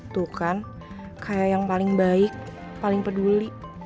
tuh kan kayak yang paling baik paling peduli